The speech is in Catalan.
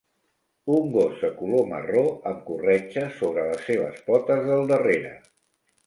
Un gos de color marró amb corretja sobre les seves potes del darrere.